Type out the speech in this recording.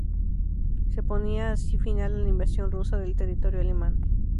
Se ponía así final a la invasión rusa de territorio alemán.